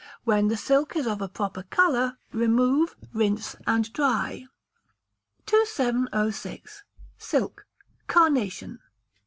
When the silk is of a proper colour, remove, rinse, and dry. 2706. Silk (Carnation).